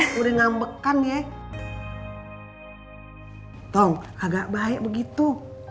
tolong agak baik begitu